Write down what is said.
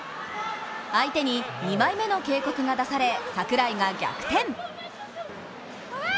相手に２枚目の警告が出され櫻井が逆転。